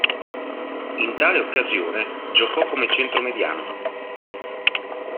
In tale occasione giocò come centromediano.